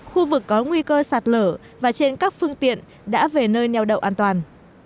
khu vực có nguy cơ sạt lở và trên các phương tiện đã về nơi neo đậu an toàn